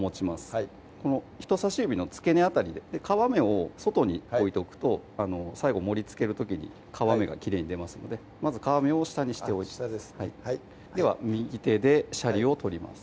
はいこの人さし指の付け根辺りで皮目を外に置いとくと最後盛りつける時に皮目がきれいに出ますのでまず皮目を下にして下ですねでは右手でシャリを取ります